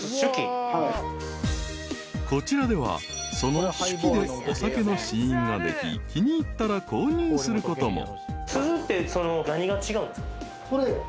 ［こちらではその酒器でお酒の試飲ができ気に入ったら購入することも］